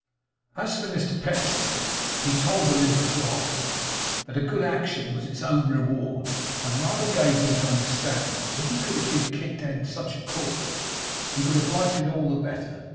As to Mr Pecksniff, he told them in the fly, that a good action was its own reward; and rather gave them to understand, that if he could have been kicked in such a cause, he would have liked it all the better.